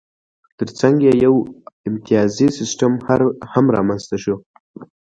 ترڅنګ یې یو امتیازي سیستم هم رامنځته شو.